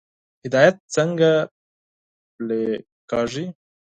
هدایت څنګه پلی کیږي؟